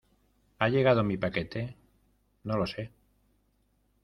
¿ Ha llegado mi paquete? No lo sé.